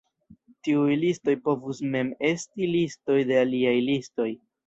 Tiuj listoj povus mem esti listoj de aliaj listoj.